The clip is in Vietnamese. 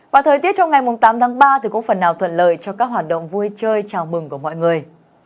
và thời tiết trong ngày tám tháng ba thì có phần nào thuận lợi cho các hoạt động vui chơi chào mừng của mọi người